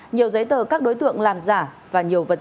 nhiều giấy tờ các đối tượng làm giả và nhiều vật dụng